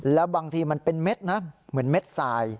แล้วบางทีมันเป็นเม็ดนะเหมือนเม็ดทราย